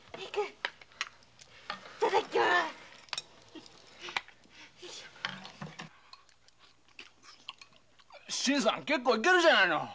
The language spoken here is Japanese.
頂きます新さん結構いけるじゃないの。